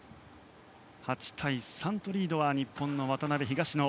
８対３とリードは日本の渡辺、東野。